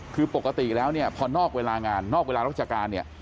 คือปกติแล้วเนี่ยพอนอกเวลางานนอกเวลาราชการเนี่ย